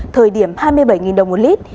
thời điểm hai mươi bảy đồng một lít